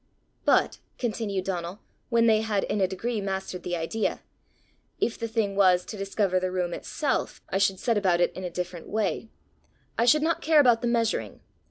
"But," continued Donal, when they had in a degree mastered the idea, "if the thing was, to discover the room itself, I should set about it in a different way; I should not care about the measuring.